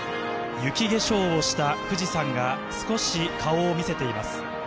雪化粧をした富士山が少し顔を見せています。